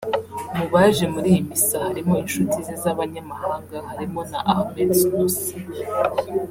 Mu baje muri iyi misa harimo inshuti ze z’abanyamahanga harimo na Ahmed Snoussi